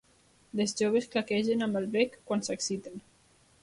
Les joves claquegen amb el bec quan s'exciten.